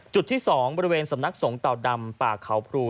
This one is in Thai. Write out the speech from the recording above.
จุดที่๒บริเวณสำนักสงฆ์เต่าดำป่าเขาพรู